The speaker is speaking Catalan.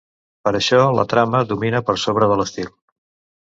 Per això la trama domina per sobre de l'estil.